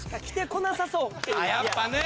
やっぱね！